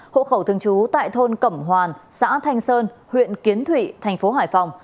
hộ khẩu thương chú tại thôn cẩm hoàn xã thanh sơn huyện kiến thụy tp hải phòng